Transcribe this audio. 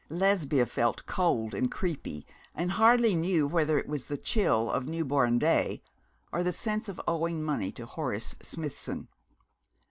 Lesbia felt cold and creepy, and hardly knew whether it was the chill of new born day, or the sense of owing money to Horace Smithson.